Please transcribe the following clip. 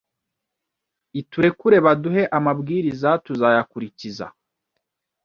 iturekure baduhe amabwiriza tuzayakurikize